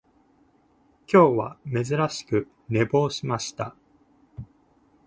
今日は珍しく寝坊しました